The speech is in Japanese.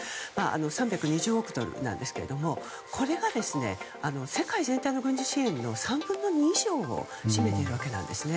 ３２０億ドルなんですがこれが世界全体の軍事支援の３分の２以上を占めているわけなんですね。